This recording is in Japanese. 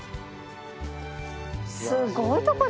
すごいとこだな